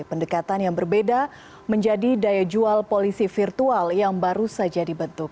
pendekatan yang berbeda menjadi daya jual polisi virtual yang baru saja dibentuk